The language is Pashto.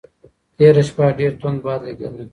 تېره شپه ډېر توند باد لګېده.